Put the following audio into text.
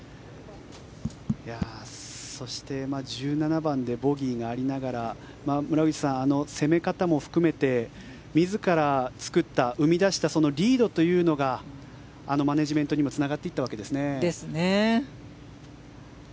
そして１７番でボギーがありながら村口さん、攻め方も含めて自ら作った生み出したリードというのがマネジメントにもですね。